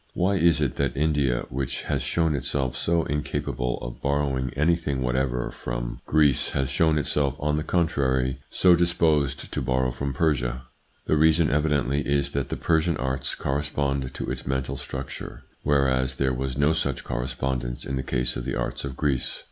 Why is it that India, which has shown itself so incapable of borrowing anything whatever from 122 THE PSYCHOLOGY OF PEOPLES: Greece, has shown itself, on the contrary, so disposed to borrow from Persia ? The reason evidently is that the Persian arts corresponded to its mental structure, whereas there was no such correspondence in the case of the arts of Greece.